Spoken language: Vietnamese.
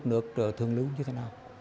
mức nước trở thường lưu như thế nào